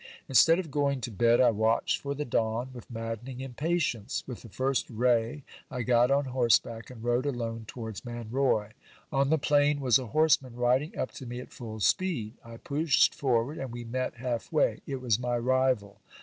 Instead of going tc bed, I watched for the dawn with maddening impatience. With the first ray I got on horseback, and rode alone towards Manroi. On the plain was a horseman, riding up to me at full speed. I pushed forward, and we met half way. It was my rival.